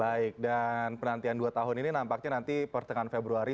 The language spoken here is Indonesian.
baik dan penantian dua tahun ini nampaknya nanti pertengahan februari